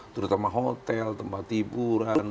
terutama hotel tempat tiburan